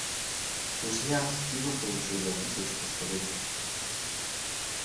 Уж я от Стивы получил записочку, что вы тут.